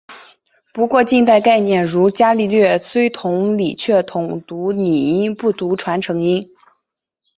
不过近代概念如伽利略虽同理却统读拟音不读传承音。